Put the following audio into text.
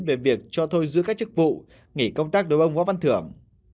về việc cho thôi giữ các chức vụ nghỉ công tác đối với ông võ văn thưởng